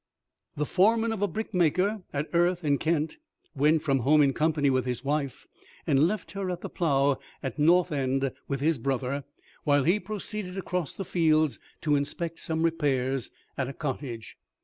The foreman of a brickmaker, at Erith in Kent, went from home in company with his wife, and left her at the Plough at Northend with his brother, while he proceeded across the fields to inspect some repairs at a cottage.